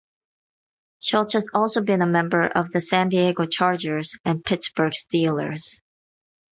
Schultz has also been a member of the San Diego Chargers and Pittsburgh Steelers.